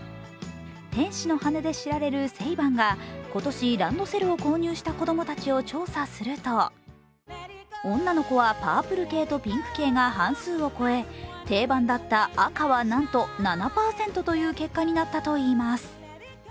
天使のはねで知られるセイバンが今年ランドセルを購入した子供たちを調査すると、女の子はパープル系とピンク系が半数を超え定番だったはなんと７％という結果になったといいます。